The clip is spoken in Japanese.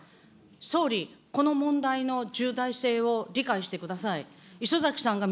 総理、この問題の重大性を理解してください。